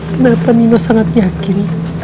kenapa nina sangat yakin